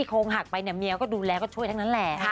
ป๊อกไปเรียบร้อยนะ